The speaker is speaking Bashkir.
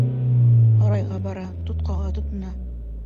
Һарайға бара, тотҡаға тотона.